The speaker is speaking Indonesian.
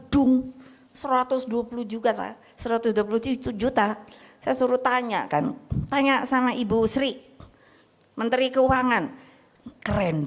dung satu ratus dua puluh juga satu ratus dua puluh tujuh juta saya suruh tanya kan tanya sama ibu sri menteri keuangan keren